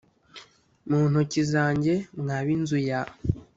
Mu ntoki zanjye mwa b inzu ya